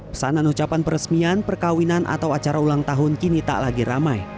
pesanan ucapan peresmian perkawinan atau acara ulang tahun kini tak lagi ramai